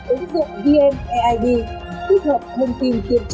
ứng dụng dnaid thích hợp thông tin tiêm chủ